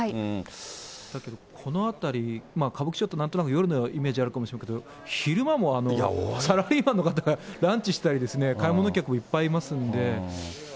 だけど、この辺り、歌舞伎町というと、なんとなく夜のイメージあるかもしれませんけれども、昼間もサラリーマンの方がランチしたり、買い物客もいっぱいいますんで。